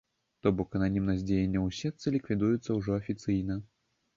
То бок ананімнасць дзеянняў у сетцы ліквідуецца ўжо афіцыйна.